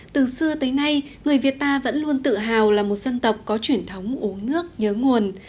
từ xưa tới nay người việt ta vẫn luôn tự hào là một dân tộc có truyền thống uống nước nhớ nguồn